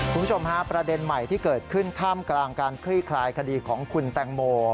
คุณผู้ชมฮะประเด็นใหม่ที่เกิดขึ้นท่ามกลางการคลี่คลายคดีของคุณแตงโม